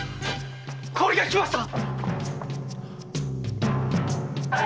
氷が来ました！